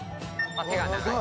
手が長い。